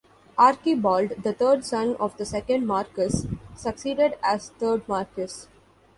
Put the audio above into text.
Archibald, the third son of the second marquis, succeeded as third marquis.